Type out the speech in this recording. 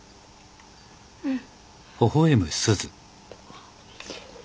うん。